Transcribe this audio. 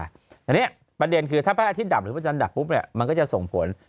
อันนี้ประเด็นคือถ้าพระอาทิตดับหรือพระจันทร์ดับปุ๊บมันก็จะส่งผล